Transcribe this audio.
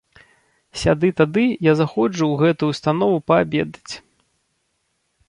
Сяды-тады я заходжу ў гэтую ўстанову паабедаць.